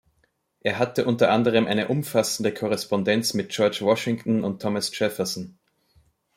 Er hatte unter anderem eine umfassende Korrespondenz mit George Washington und Thomas Jefferson.